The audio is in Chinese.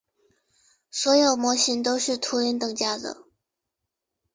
所有模型都是图灵等价的。